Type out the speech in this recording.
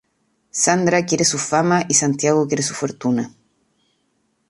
Sandra quiere su fama y Santiago quiere su fortuna.